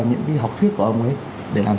những cái học thuyết của ông ấy để làm